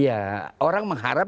iya orang mengharap